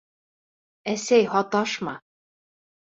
Әсәй, һаташма.